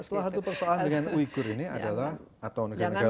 salah satu persoalan dengan uyghur ini adalah atau negara negara